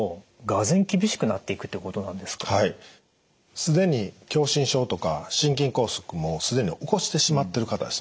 すでに狭心症とか心筋梗塞もすでに起こしてしまっている方ですね